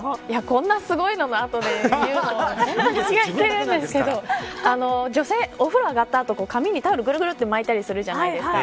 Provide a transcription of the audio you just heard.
こんなすごいのの後で言うのは気が引けるんですけどお風呂あがったあと髪にぐるぐるっと巻いたりするじゃないですか。